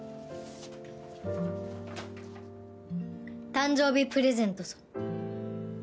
誕生日プレゼントぞ。